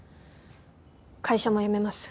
会社も辞めます。